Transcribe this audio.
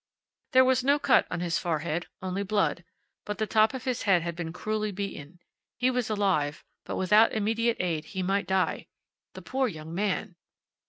There was no cut on his forehead, only blood; but the top of his head had been cruelly beaten. He was alive, but without immediate aid he might die. The poor young man!